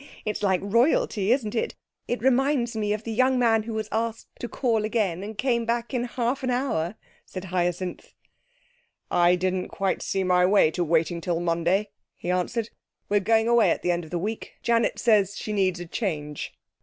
It's like Royalty, isn't it? It reminds me of the young man who was asked to call again, and came back in half an hour,' said Hyacinth. 'I didn't quite see my way to waiting till Monday,' he answered. 'We're going away the end of the week. Janet says she needs a change.'